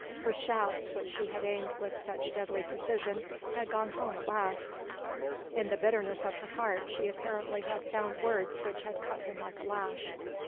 Her shafts which she had aimed with such deadly precision had gone home at last: in the bitterness of her heart she apparently had found words which had cut him like a lash.